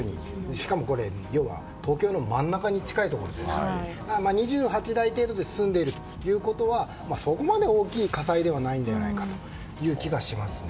しかも要は東京の真ん中に近いところですから２８台程度で済んでいるということはそこまで大きい火災ではないんじゃないかという気がしますね。